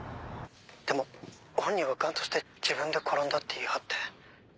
でも本人は頑として自分で転んだって言い張って。